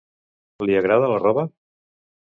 Li agrada la roba?